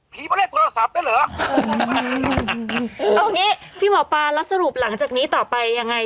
มาเลขโทรศัพท์ได้เหรอเอางี้พี่หมอปลาแล้วสรุปหลังจากนี้ต่อไปยังไง